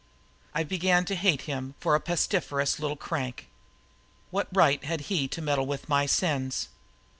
I began to hate him for a pestiferous little crank. What right had he to meddle with my sins?